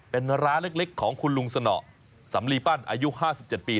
เป็นร้านเล็กของคุณลุงสนอสำลีปั้นอายุ๕๗ปี